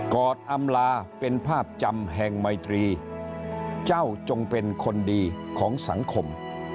อดอำลาเป็นภาพจำแห่งไมตรีเจ้าจงเป็นคนดีของสังคม